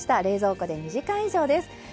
冷蔵庫で２時間以上です。